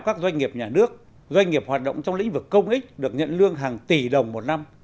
các doanh nghiệp nhà nước doanh nghiệp hoạt động trong lĩnh vực công ích được nhận lương hàng tỷ đồng một năm